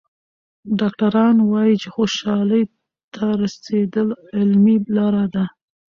ډاکټران وايي خوشحالۍ ته رسېدل علمي لاره لري.